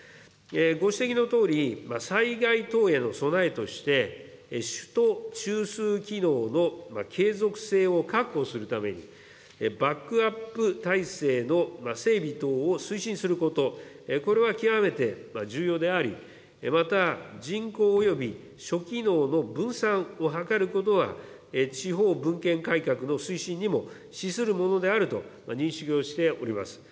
ご指摘のとおり、災害等への備えとして、首都中枢機能の継続性を確保するために、バックアップ体制の整備等を推進すること、これは極めて重要であり、また、人口および諸機能の分散を図ることは、地方分権改革の推進にも資するものであると認識をしております。